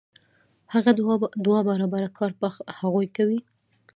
هغه دوه برابره کار په هغوی کوي